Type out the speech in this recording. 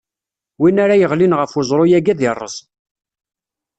Win ara yeɣlin ɣef uẓru-agi ad irreẓ.